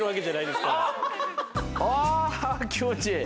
ああ気持ちいい。